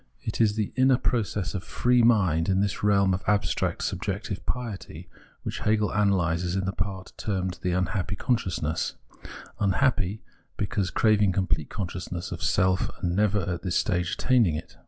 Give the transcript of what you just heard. It is the inner process of free mind in this realm of abstract subjective piety which Hegel analyses in the part termed the ' unhappy consciousness '—' unhappy ' because craving complete consciousness of self and never at this stage attaining it.